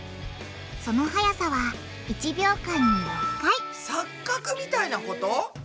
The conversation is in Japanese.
その速さは１秒間に６回錯覚みたいなこと？